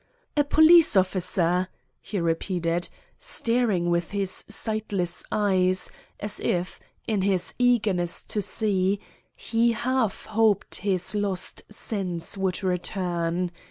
"A police officer," he repeated, staring with his sightless eyes, as if, in his eagerness to see, he half hoped his lost sense would return.